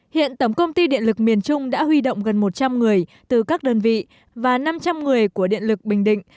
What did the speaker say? hiện tổng công ty điện lực miền trung đã huy động gần một trăm linh người từ các đơn vị và năm trăm linh người của điện lực bình định